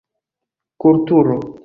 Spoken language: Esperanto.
kulturo